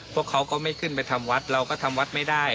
พวกเขาก็ไม่ขึ้นไปทำวัดเราก็ทำวัดไม่ได้